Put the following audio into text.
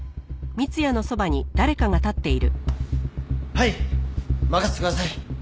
はい任せてください。